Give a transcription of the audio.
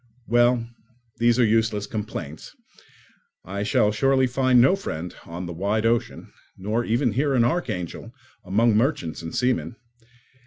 Well, these are useless complaints; I shall certainly find no friend on the wide ocean, nor even here in Archangel, among merchants and seamen.